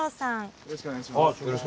よろしくお願いします。